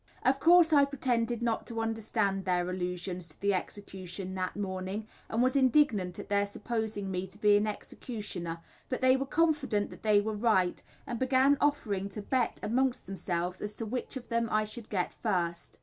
Of course I pretended not to understand their allusions to the execution that morning, and was indignant at their supposing me to be an executioner, but they were confident that they were right, and began offering to bet amongst themselves as to which of them I should get first.